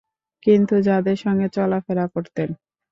কিন্তু যাদের সঙ্গে চলাফেরা করতেন।